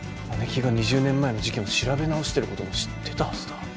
姉貴が２０年前の事件を調べ直してることも知ってたはずだ。